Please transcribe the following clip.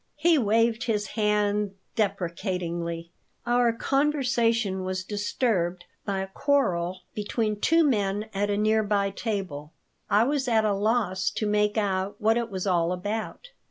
He waved his hand deprecatingly Our conversation was disturbed by a quarrel between two men at a near by table. I was at a loss to make out what it was all about.